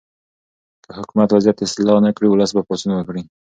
که حکومت وضعیت اصلاح نه کړي، ولس به پاڅون وکړي.